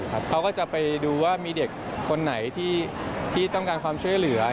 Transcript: เขาก็จะไปดูว่ามีเด็กคนไหนที่ต้องการความช่วยเหลือ